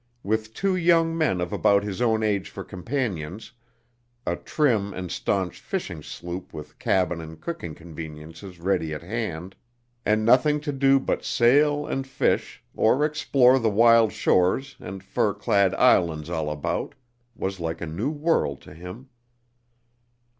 With two young men of about his own age for companions, a trim and staunch fishing sloop with cabin and cooking conveniences ready at hand, and nothing to do but sail and fish, or explore the wild shores and fir clad islands all about, was like a new world to him.